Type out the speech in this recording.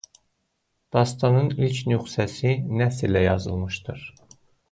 Dastanın ilk nüsxəsi nəsrlə yazılmışdır.